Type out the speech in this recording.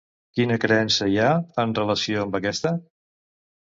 Quina creença hi ha en relació amb aquesta?